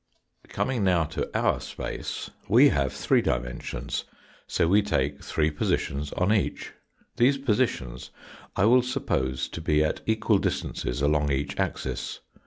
Coining now to our space, we have three dimensions, so we take three positions on each. These positions I will suppose to be at equal distances along each . 64. Fig. 65. axis.